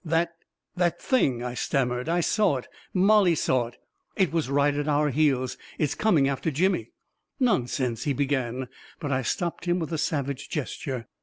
" That — that thing 1 " I stammered. " I saw it — Mollie saw it ! It was right at our heels I It's coming after Jimmy! "" Nonsense !" he began, but I stopped him with a savage gesture.